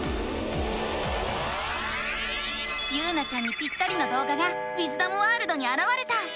ゆうなちゃんにピッタリのどう画がウィズダムワールドにあらわれた！